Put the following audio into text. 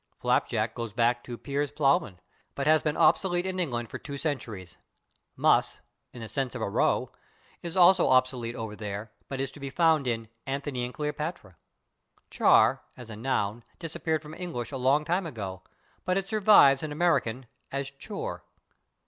/Flap jack/ goes back to Piers Plowman, but has been obsolete in England for two centuries. /Muss/, in the sense of a row, is also obsolete over there, but it is to be found in "Anthony and Cleopatra." /Char/, as a noun, disappeared from English a long time ago, but it survives in American as /chore